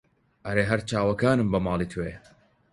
ئەرێ هەر چاوەکانم بە ماڵی تۆیە